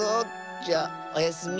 じゃおやすみ。